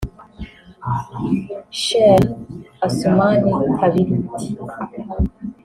Sheikh Assoumani Kabiriti